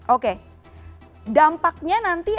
oke dampaknya nanti